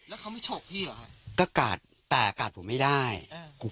แล้วเขาไม่ฉกพี่เหรอฮะก็กาดแต่กาดผมไม่ได้อืม